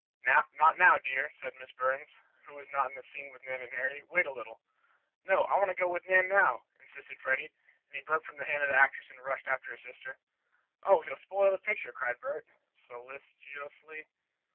"Not now, dear," said Miss Burns, who was not in the scene with Nan and Harry. "Wait a little." "No, I want to go with Nan now," insisted Freddie, and he broke from the hand of the actress and rushed after his sister. "Oh, he'll spoil the picture!" cried Bert, solicitously.